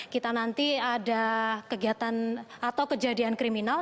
kita nanti ada kegiatan atau kejadian kriminal